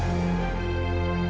kita sebagai berritem